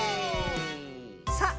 さあ